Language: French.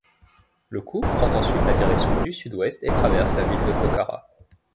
Le cours prend ensuite la direction du sud-ouest et traverse la ville de Pokhara.